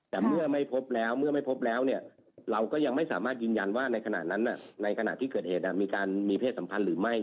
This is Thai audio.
แต่เมื่อไม่พบแล้วเราก็ยังไม่สามารถยืนยันว่าในขณะที่เกิดเหตุมีการมีเพศสัมพันธ์หรือไม่